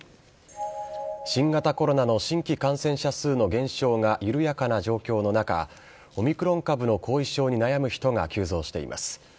新型コロナの新規感染者数の減少が緩やかな状況の中、オミクロン株の後遺症に悩む人が急増しています。